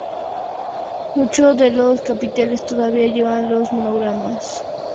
Muchos de los capiteles todavía llevan los monogramas de Justiniano y de Teodora.